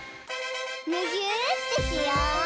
むぎゅーってしよう！